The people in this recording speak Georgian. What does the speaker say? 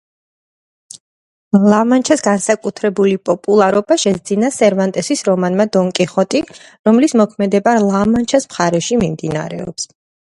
ლა-მანჩას განსაკუთრებული პოპულარობა შესძინა სერვანტესის რომანმა „დონ კიხოტი“, რომლის მოქმედება ლა-მანჩას მხარეში მიმდინარეობს.